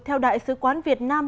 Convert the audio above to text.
theo đại sứ quán việt nam